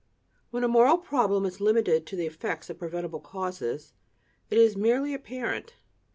When a moral problem is limited to the effects of preventable causes, it is merely apparent.